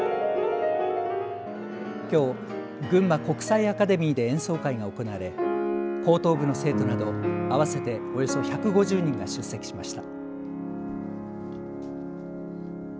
きょう、ぐんま国際アカデミーで演奏会が行われ高等部の生徒など合わせておよそ１５０人が出席しました。